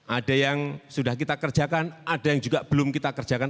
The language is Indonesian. ada yang sudah kita kerjakan ada yang juga belum kita kerjakan